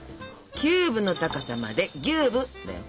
キューブの高さまでギューぶだよ。